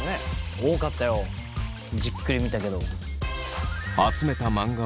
多かったよじっくり見たけど。